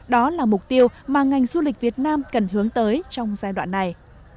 đó là mục tiêu mà ngành du lịch việt nam cần hướng tới trong giai đoạn này